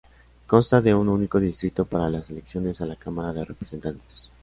Consta de un único distrito para las elecciones a la Cámara de Representantes.